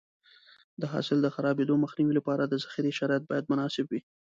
د حاصل د خرابېدو مخنیوي لپاره د ذخیرې شرایط باید مناسب وي.